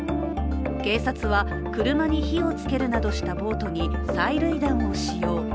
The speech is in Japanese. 警察は車に火をつけるなどした暴徒に催涙弾を使用。